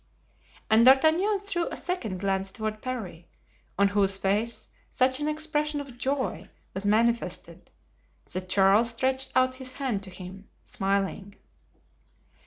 And D'Artagnan threw a second glance toward Parry, on whose face such an expression of joy was manifested that Charles stretched out his hand to him, smiling.